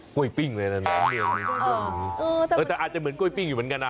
กล้วยปิ้งเลยนะแต่อาจจะเหมือนกล้วยปิ้งอยู่เหมือนกันนะ